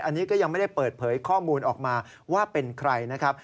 อันนี้ก็ยังไม่ได้เปิดเผยข้อมูลออกมาว่าเป็นใครนะครับ